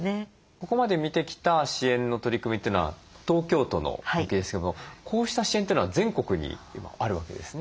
ここまで見てきた支援の取り組みというのは東京都のですけどもこうした支援というのは全国に今あるわけですね。